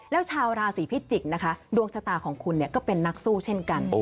แล้วชาวราศีพิจิกษ์นะคะดวงชะตาของคุณก็เป็นนักสู้เช่นกัน